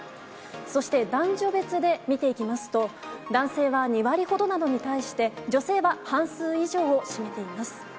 そして、男女別で見ていきますと、男性は２割ほどなのに対して、女性は半数以上を占めています。